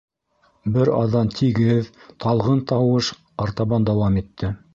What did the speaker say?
Бер аҙҙан тигеҙ, талғын тауыш артабан дауам итте.